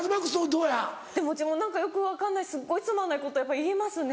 うちもよく分かんないすっごいつまんないこと言いますね。